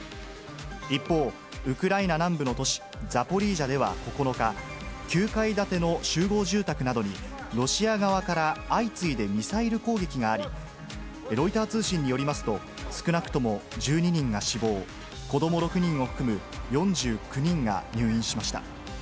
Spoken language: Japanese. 一方、ウクライナ南部の都市ザポリージャでは９日、９階建ての集合住宅などにロシア側から相次いでミサイル攻撃があり、ロイター通信によりますと、少なくとも１２人が死亡、子ども６人を含む４９人が入院しました。